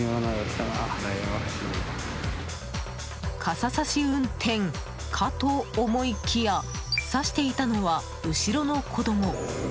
傘さし運転かと思いきやさしていたのは後ろの子供。